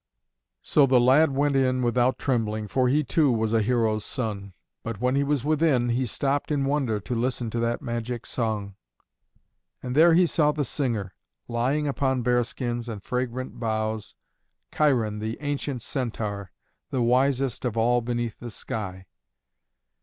'" So the lad went in without trembling, for he too was a hero's son, but when he was within, he stopped in wonder to listen to that magic song. And there he saw the singer, lying upon bear skins and fragrant boughs, Cheiron the ancient Centaur, the wisest of all beneath the sky.